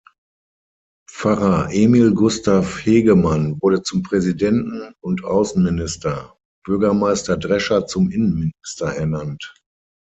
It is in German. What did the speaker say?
Pfarrer Emil Gustav Hegemann wurde zum Präsidenten und Außenminister, Bürgermeister Drescher zum Innenminister ernannt.